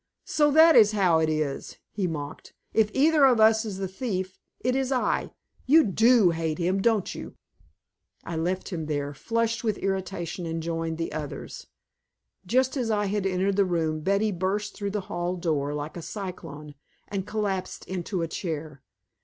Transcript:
"So that is how it is!" he mocked. "If either of us is the thief, it is I! You DO hate him, don't you?" I left him there, flushed with irritation, and joined the others. Just as I entered the room, Betty burst through the hall door like a cyclone, and collapsed into a chair.